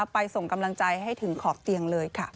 ส่งกำลังใจให้ถึงขอบเตียงเลยค่ะ